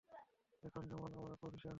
এখন যেমন আমরা কফি শেয়ার করলাম।